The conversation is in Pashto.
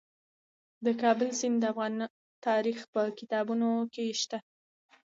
د کابل سیند د افغان تاریخ په کتابونو کې شته.